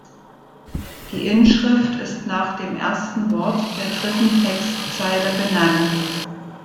Die Inschrift ist nach dem ersten Wort der dritten Textzeile benannt.